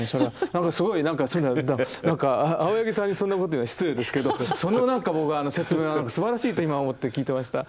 何かすごい何か青柳さんにそんなこと言うのは失礼ですけどその何か僕説明はすばらしいと今思って聞いてました。